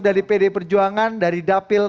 dari pd perjuangan dari dapil